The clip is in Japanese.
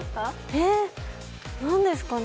えっ、何ですかね。